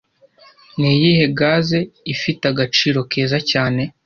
Niyihe gaze ifite agaciro keza cyane